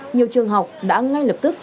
nhiều trường học đã ngay lập tức